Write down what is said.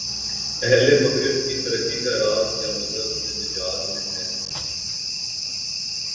اہل مغرب کی ترقی کا راز کیا مذہب سے نجات میں ہے؟